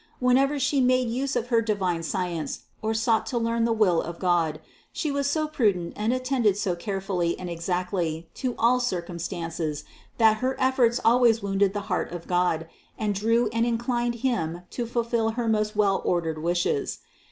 Whenever She made use of her divine science or sought to learn the will of God, She was so prudent and attended so carefully and exactly to all circumstances that her efforts always wounded the heart of God and drew and inclined Him to fulfill her most well ordered wishes.